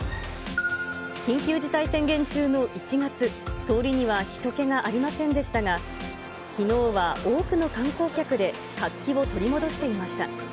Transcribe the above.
緊急事態宣言中の１月、通りにはひと気がありませんでしたが、きのうは多くの観光客で活気を取り戻していました。